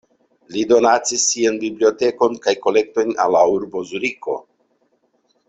Li donacis sian bibliotekon kaj kolektojn al la urbo Zuriko.